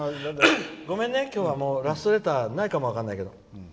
ごめんね、今日はラストレターないかもしれない。